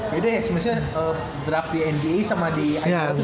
beda ya semisal draft di nba sama di ibl tuh beda ya